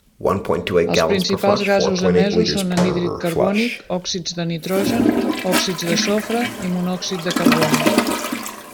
Els principals gasos emesos són anhídrid carbònic, òxids de nitrogen, òxids de sofre i monòxid de carboni.